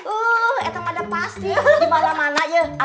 oh saya sudah dibebet kan di mana mana ya